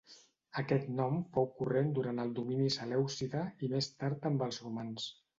Aquest nom fou corrent durant el domini selèucida i més tard amb els romans.